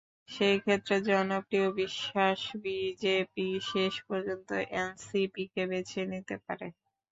সেই ক্ষেত্রে জনপ্রিয় বিশ্বাস, বিজেপি শেষ পর্যন্ত এনসিপিকে বেছে নিতে পারে।